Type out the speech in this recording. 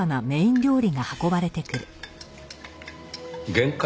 限界？